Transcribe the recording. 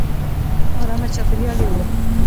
ارامه چاپېریال یې و.